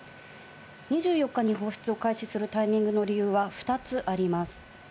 ２４日に放出を開始するタイミングの理由は２つあります。